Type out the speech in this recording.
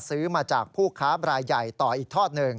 ซื้อมาจากผู้ค้าบรายใหญ่ต่ออีกทอดหนึ่ง